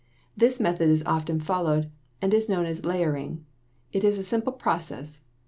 This method is often followed, and is known as layering. It is a simple process.